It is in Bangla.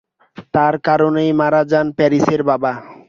তাঁর কারণেই মারা যান প্যারিসের বাবা।